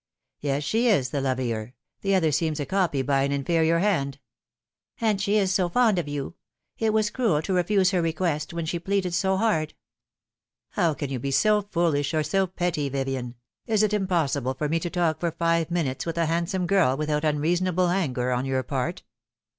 " Yes, she is the lovelier. The other seems a copy by an yiferior hand." " And she is so fond of you. It was cruel to refuse her request, when she pleaded so hard." " How can you be BO foolish or so petty, Vivien ? Is it 272 The Fatal Three. impossible for me to talk for five minutes with a handsome girl without unreasonable anger on your part